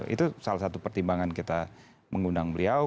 itu salah satu pertimbangan kita mengundang beliau